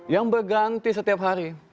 yang berganti setiap hari